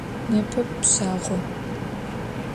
Nêpe pşağo.